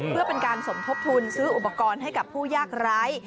เพื่อเป็นการสมทบทุนซื้ออุปกรณ์ให้กับผู้ยากร้าย